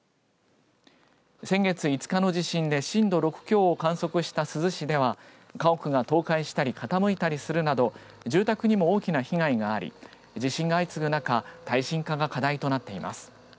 先月５日の地震で震度６強を観測した珠洲市では家屋が倒壊したり傾いたりするなど住宅にも大きな被害があり地震が相次ぐ中、耐震化が課題となっています。